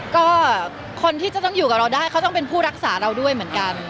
ก็คนที่จะต้องอยู่กับเราได้เขาต้องเป็นผู้รักษาเราด้วยเหมือนกัน